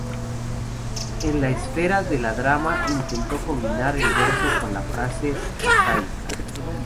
En la esfera de la drama intentó combinar el verso con la frase prosaica.